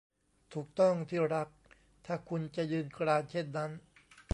ถูกต้อง ที่รัก ถ้าคุณจะยืนกรานเช่นนั้น